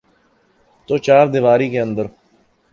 توچاردیواری کے اندر۔